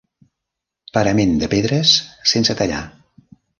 Parament de pedres sense tallar.